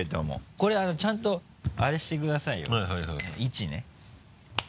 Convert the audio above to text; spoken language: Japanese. これちゃんとアレしてくださいよ位置ね。